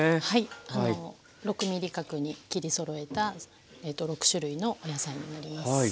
はい６ｍｍ角に切りそろえた６種類のお野菜になります。